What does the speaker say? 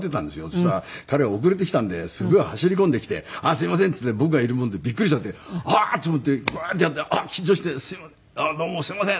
そしたら彼は遅れて来たんですごい走り込んできて「すみません」って言って僕がいるもんでビックリしちゃってあっ！と思ってこうやってやって緊張して「どうもすみません！